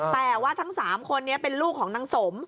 แต่ว่าทั้ง๓คนนี้เป็นลูกของนางสม